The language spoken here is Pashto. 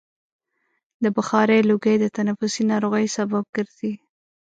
د بخارۍ لوګی د تنفسي ناروغیو سبب ګرځي.